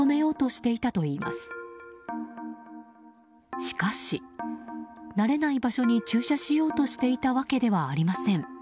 しかし、慣れない場所に駐車しようとしていたわけではありません。